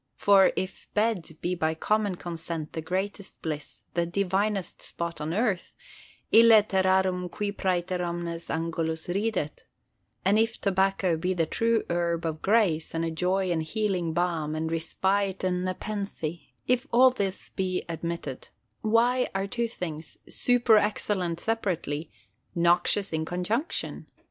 For if bed be by common consent the greatest bliss, the divinest spot, on earth, "ille terrarum qui præter omnes angulus ridet"; and if tobacco be the true Herb of Grace, and a joy and healing balm, and respite and nepenthe,—if all this be admitted, why are two things, super excellent separately, noxious in conjunction?